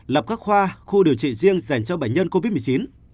lập các khoa khu điều trị riêng dành cho bệnh nhân covid một mươi chín